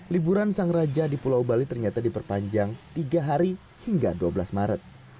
liburan sang raja di pulau bali ternyata diperpanjang tiga hari hingga dua belas maret